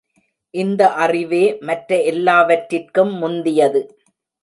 இந்த அறிவே மற்ற எல்லாவற்றிற்கும் முந்தியது.